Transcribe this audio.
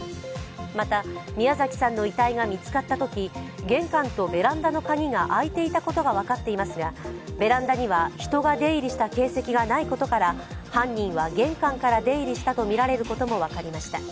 また、宮崎さんの遺体が見つかったとき、玄関とベランダの鍵が開いていたことが分かっていますがベランダには人が出入りした形跡がないことから犯人は玄関から出入りしたとみられることも分かりました。